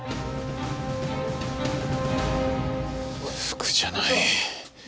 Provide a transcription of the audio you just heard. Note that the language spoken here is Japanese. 服じゃない。